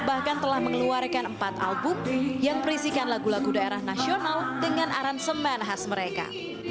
sepuluh to lima bahkan telah mengeluarkan empat album yang perisikan lagu lagu daerah nasional dengan aransemen khas mereka